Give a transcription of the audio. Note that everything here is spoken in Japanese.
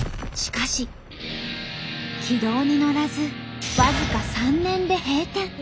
軌道に乗らず僅か３年で閉店。